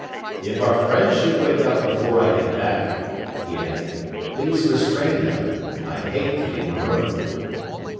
"If our friends should wake up before I get back," he added, "please restrain them. I'd hate to be marooned."